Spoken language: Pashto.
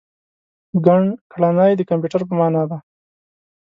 ګڼکړنی د کمپیوټر په مانا دی.